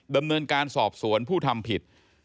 ดำเนินการสอบสวนผู้ทำผิด